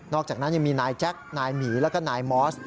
อกจากนั้นยังมีนายแจ๊คนายหมีแล้วก็นายมอส